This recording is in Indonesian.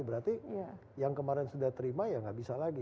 berarti yang kemarin sudah terima ya nggak bisa lagi